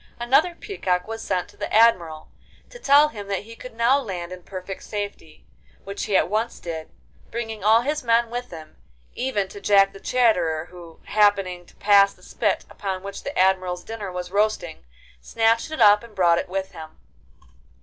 Another peacock was sent to the Admiral to tell him that he could now land in perfect safety, which he at once did, bringing all his men with him, even to Jack the Chatterer, who, happening to pass the spit upon which the Admiral's dinner was roasting, snatched it up and brought it with him.